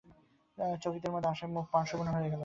চকিতের মধ্যে আশার মুখ পাংশুবর্ণ হইয়া গেল।